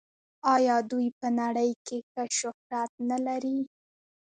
آیا دوی په نړۍ کې ښه شهرت نلري؟